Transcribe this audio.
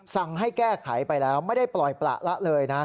สั่งให้แก้ไขไปแล้วไม่ได้ปล่อยประละเลยนะ